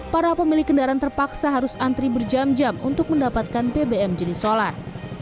para pemilik kendaraan terpaksa harus antri berjam jam untuk mendapatkan bbm jenis solar